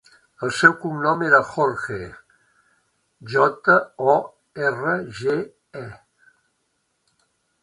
El seu cognom és Jorge: jota, o, erra, ge, e.